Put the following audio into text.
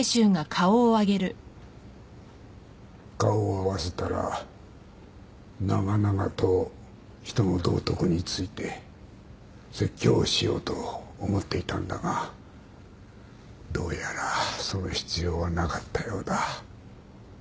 顔を合わせたら長々と人の道徳について説教しようと思っていたんだがどうやらその必要はなかったようだ。